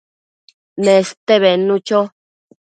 Neste bednu cho